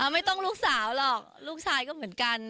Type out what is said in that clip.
ไม่ต้องลูกสาวหรอกลูกชายก็เหมือนกัน